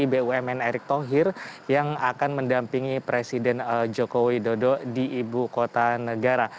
bumn erick thohir yang akan mendampingi presiden joko widodo di ibu kota negara